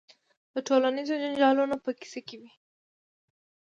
د ټولنیزو جنجالونو په کیسه کې وي.